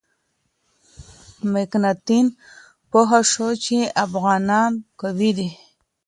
مکناتن پوه شو چې افغانان قوي دي.